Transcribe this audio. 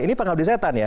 ini pengabdi setan ya